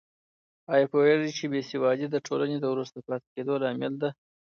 آیا پوهېږې چې بې سوادي د ټولنې د وروسته پاتې کېدو لامل ده؟